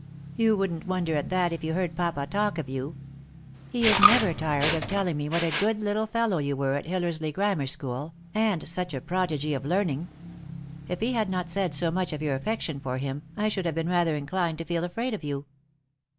"You wouldn't wonder at that if you heard papa talk of you. He is never tired of telling me what a good little fellow you were at Hillersley Grammar school; and such a prodigy of leaning ! If he had not said so much of your affection for him, I should have been rather inclined to feel afraid of you."